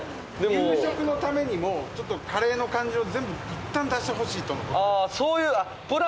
夕食のためにもカレーの感じをいったん出してほしいと。